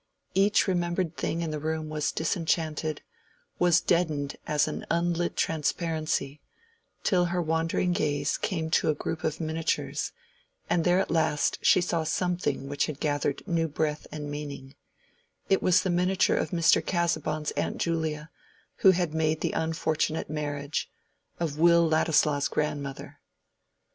Each remembered thing in the room was disenchanted, was deadened as an unlit transparency, till her wandering gaze came to the group of miniatures, and there at last she saw something which had gathered new breath and meaning: it was the miniature of Mr. Casaubon's aunt Julia, who had made the unfortunate marriage—of Will Ladislaw's grandmother.